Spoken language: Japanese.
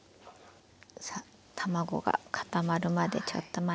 さあ卵が固まるまでちょっと待ちますね。